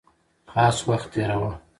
خاص وخت تېراوه.